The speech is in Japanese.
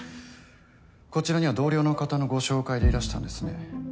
こちらには同僚の方のご紹介でいらしたんですね。